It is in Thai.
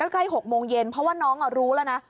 ใกล้๖โมงเย็นเพราะว่าน้องรู้แล้วนะ